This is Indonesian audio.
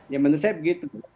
ya menurut saya begitu